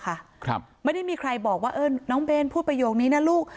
ครับไม่ได้มีใครบอกว่าเออน้องเบนพูดประโยคนี้นะลูก